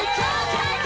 最高！